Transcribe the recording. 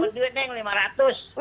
udah dapet duit neng lima ratus